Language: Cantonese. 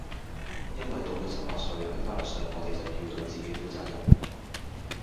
因為到咗十八歲，係法律上我地就要對自己負責任